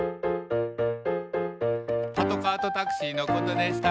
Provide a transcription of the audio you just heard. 「パトカーとタクシーのことでした」